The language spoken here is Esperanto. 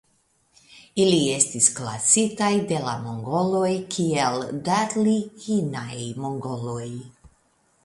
Ili estis klasitaj de la Mongoloj kiel Darliginaj Mongoloj.